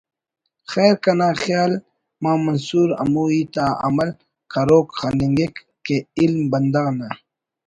خیر کنا خیال مان منصور ہمو ہیت آ عمل کروک خننگک کہ علم بندغ نا